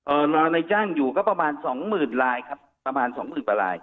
รอในจ้างอยู่ก็ประมาณสองหมื่นลายครับประมาณสองหมื่นกว่าลาย